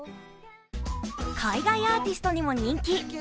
海外アーティストにも人気。